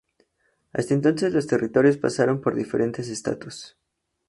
Hasta entonces los territorios pasaron por diferentes estatus.